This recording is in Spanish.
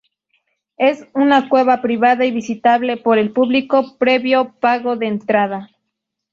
Es una cueva privada y visitable por el público previo pago de entrada.